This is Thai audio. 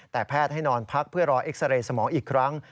แต่แพทย์ให้นอนพักเพื่อรอเอ็กซาเรย์สมองอีกครั้ง